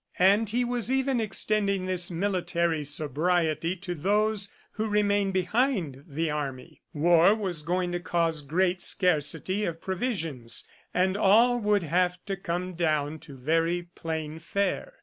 And he was even extending this military sobriety to those who remained behind the army. War was going to cause great scarcity of provisions, and all would have to come down to very plain fare.